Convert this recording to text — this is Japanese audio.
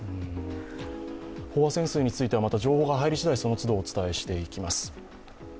飽和潜水については情報が入り次第またその都度、お伝えしていきます